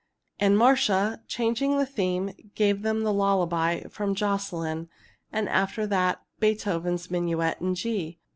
And Marcia, changing the theme, gave them the lullaby from "Jocelyn," and after that Beethoven's Minuet in G.